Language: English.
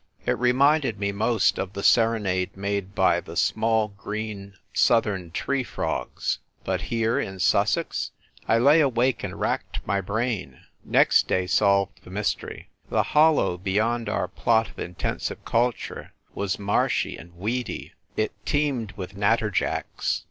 It reminded me most of the serenade made by the small green southern tree frogs ; but here, in Sussex ! I lay awake and racked my brain. Next day solved the m3'stery. The hollow beyond our plot of intensive culture was marshy and weedy, it teemed with natterjacks.